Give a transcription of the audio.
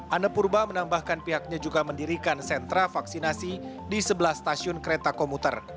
anne purba menambahkan pihaknya juga mendirikan sentra vaksinasi di sebelah stasiun kereta komuter